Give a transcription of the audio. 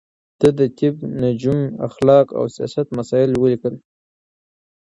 ده د طب، نجوم، اخلاق او سياست مسايل وليکل